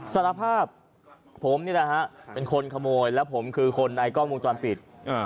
สารภาพผมเป็นคนขโมยและผมคือคนในกล้องวงจรปิด